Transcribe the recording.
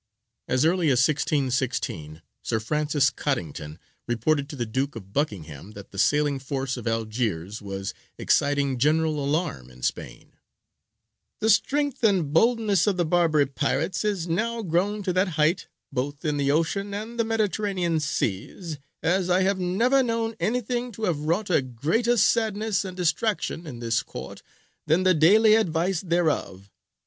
As early as 1616 Sir Francis Cottington reported to the Duke of Buckingham that the sailing force of Algiers was exciting general alarm in Spain: "The strength and boldness of the Barbary pirates is now grown to that height, both in the ocean and the Mediterranean seas, as I have never known anything to have wrought a greater sadness and distraction in this Court than the daily advice thereof.